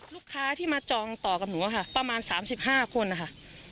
ลูกค้าที่มาจองต่อกับหนูค่ะประมาณ๓๕คนนะคะ